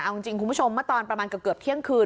เอาจริงคุณผู้ชมเมื่อตอนประมาณเกือบเที่ยงคืน